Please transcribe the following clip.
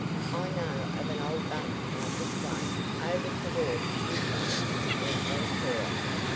"I know of an old barn out this way, over toward Woodbine," went on Cora.